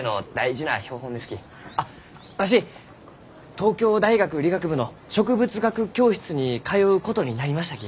あっわし東京大学理学部の植物学教室に通うことになりましたき